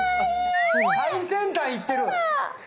最先端いってる！